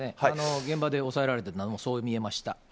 現場で押さえられてるもの、そう見えました。